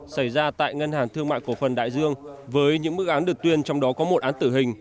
xảy ra tại ngân hàng thương mại cổ phần đại dương với những mức án được tuyên trong đó có một án tử hình